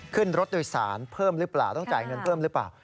ขึ้นรถโดยสารเพิ่มหรือเปล่าต้องจ่ายเงินเพิ่มหรือเปล่า